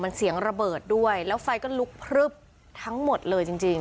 มันเสียงระเบิดด้วยแล้วไฟก็ลุกพลึบทั้งหมดเลยจริงจริง